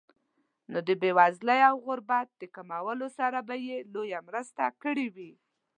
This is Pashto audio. نو د بېوزلۍ او غربت د کمولو سره به یې لویه مرسته کړې وي.